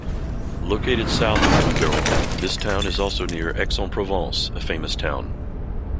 Located south of the Luberon, this town is also near Aix-en-Provence, a famous town.